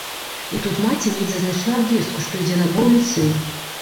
І тут маці недзе знайшла абвестку, што ідзе набор у ліцэй.